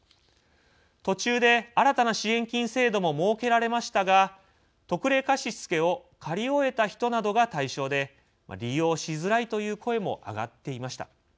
途中で新たな支援金制度も設けられましたが特例貸付を借り終えた人などが対象で利用しづらいという声も挙がっていました。